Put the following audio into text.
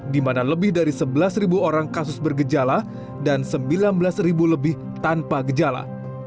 dimana lebih dari sebelas orang kasus bergejala dan sembilan belas lebih tanpa gejala